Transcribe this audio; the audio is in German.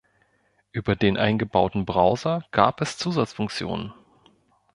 Über den eingebauten Browser gab es Zusatzfunktionen.